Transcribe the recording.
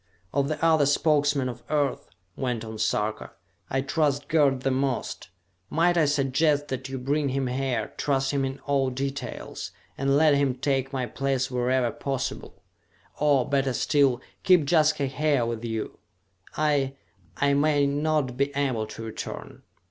"Of the other Spokesmen of Earth," went on Sarka, "I trust Gerd the most. Might I suggest that you bring him here, trust him in all details, and let him take my place wherever possible? Or, better still, keep Jaska here with you! I ... I may not be able to return!